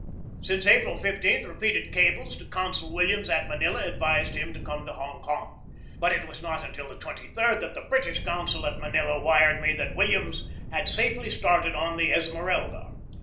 Since April 15 repeated cables to Consul Williams at Manila advised him to come to Hong Kong. But it was not until the 23d that the British consul at Manila wired me that Williams had safely started on the Esmeralda.